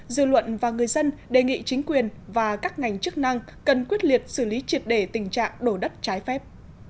dư luận và người dân đề nghị chính quyền và các ngành chức năng cần quyết liệt xử lý triệt để tình trạng đổ đất trái phép